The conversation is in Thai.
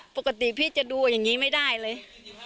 ปกติพี่จะดูอย่างนี้ไม่ได้เลย